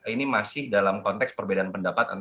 ini masih dalam konteks perbedaan pendapat